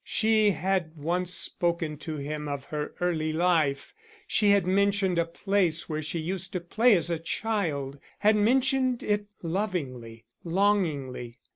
She had once spoken to him of her early life. She had mentioned a place where she used to play as a child; had mentioned it lovingly, longingly.